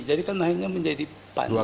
jadi kan akhirnya menjadi panjang